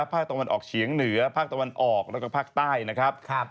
ภาคตะวันออกเฉียงเหนือภาคตะวันออกแล้วก็ภาคใต้นะครับ